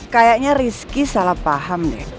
kayaknya rizky salah paham ya